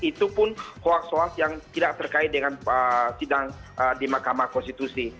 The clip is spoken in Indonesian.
itu pun hoax hoax yang tidak terkait dengan sidang di mahkamah konstitusi